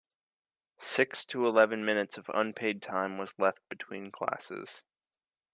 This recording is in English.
Six to eleven minutes of unpaid time was left between classes.